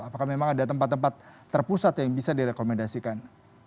apakah memang ada tempat tempat terpusat yang bisa direkomendasikan